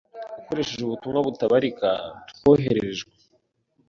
akoresheje ubutumwa butabarika twohererejwe.